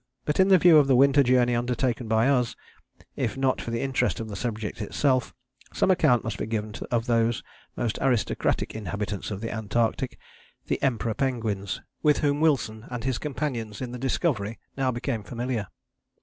But in view of the Winter Journey undertaken by us, if not for the interest of the subject itself, some account must be given of those most aristocratic inhabitants of the Antarctic, the Emperor penguins, with whom Wilson and his companions in the Discovery now became familiar.